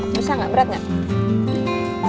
bisa gak berat gak